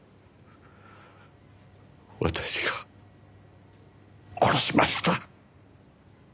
私が殺しました。